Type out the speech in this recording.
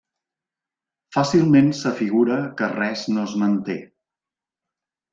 Fàcilment s'afigura que res no es manté.